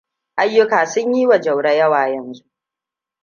Ayyuka sun yiwa Jauroa yawa yanzu.